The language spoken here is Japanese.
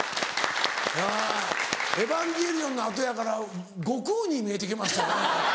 『エヴァンゲリオン』の後やから悟空に見えて来ました。